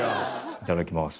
いただきます。